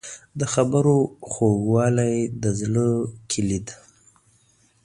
د خبرو خوږوالی د زړه کیلي ده.